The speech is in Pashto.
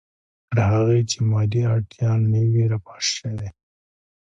تر هغې چې مادي اړتیا نه وي رفع شوې.